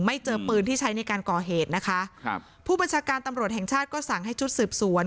เจอปืนที่ใช้ในการก่อเหตุนะคะครับผู้บัญชาการตำรวจแห่งชาติก็สั่งให้ชุดสืบสวน